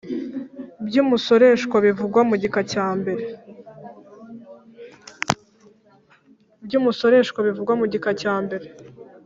By’umusoreshwa bivugwa mu gika cya mbere